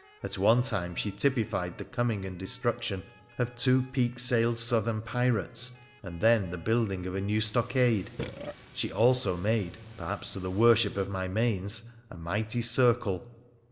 At one time she typified the coming and destruction of two peak sailed southern pirates, and then the building of a new stockade. She also made (perhaps to the worship of my manes !) a mighty circle.